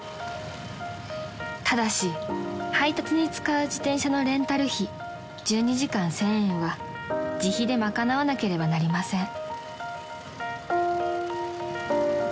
［ただし配達に使う自転車のレンタル費１２時間１，０００円は自費で賄わなければなりません］